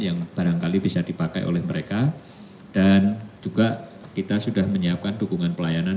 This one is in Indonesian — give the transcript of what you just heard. yang barangkali bisa dipakai oleh mereka dan juga kita sudah menyiapkan dukungan pelayanan